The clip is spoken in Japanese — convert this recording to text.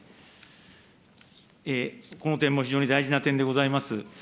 この点も非常に大事な点でございます。